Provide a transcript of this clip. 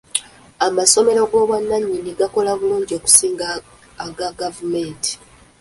Amasomero g'obwannannyini gakola bulungi okusinga aga gavumenti.